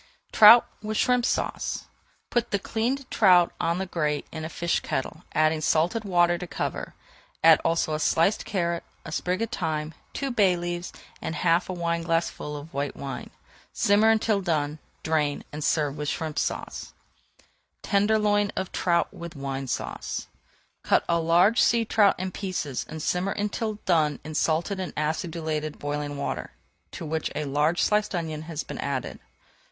TROUT WITH SHRIMP SAUCE Put the cleaned trout on the grate in a fish kettle, adding salted water to cover. Add also a sliced carrot, a sprig of thyme, two bay leaves and half a wineglassful of white wine. Simmer until done, drain, and serve with Shrimp Sauce. [Page 426] TENDERLOIN OF TROUT WITH WINE SAUCE Cut a large sea trout in pieces and simmer until done in salted and acidulated boiling water to which a large sliced onion has been added.